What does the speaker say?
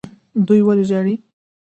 دوی ولې ژاړي.